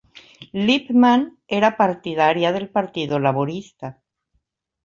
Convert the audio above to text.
Lipman era partidaria del Partido Laborista.